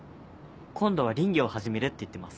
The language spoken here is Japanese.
今度は林業始めるって言ってます。